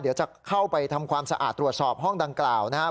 เดี๋ยวจะเข้าไปทำความสะอาดตรวจสอบห้องดังกล่าวนะครับ